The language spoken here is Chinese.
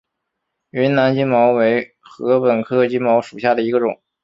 云南金茅为禾本科金茅属下的一个种。